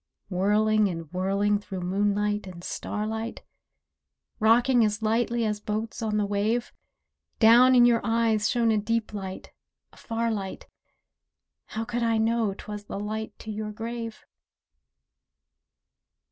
Whirling and whirling through moonlight and starlight. Rocking as lightly as boats on the wave, Down in your eyes shone a deep light—a far light, How could I know 'twas the light to your grave?